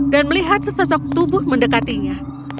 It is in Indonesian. dan melihat sesosok tubuh mendekatinya